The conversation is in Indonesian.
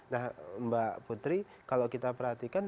nah mbak putri kalau kita perhatikan